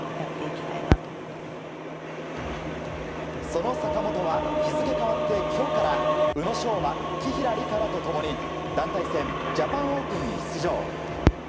その坂本は日付変わって今日から宇野昌磨、紀平梨花らと共に団体戦ジャパンオープンに出場。